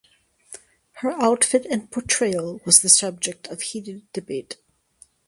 Her outfit and portrayal was the subject of heated debate.